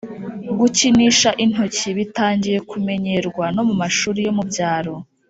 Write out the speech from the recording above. gukinisha intoki bitangiye kumenyerwa no mu mashuri yo mu byaro